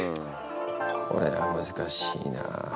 これは難しいな。